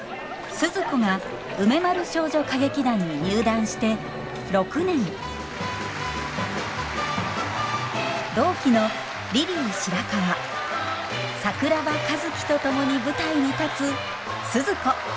スズ子が梅丸少女歌劇団に入団して６年同期のリリー白川桜庭和希と共に舞台に立つスズ子。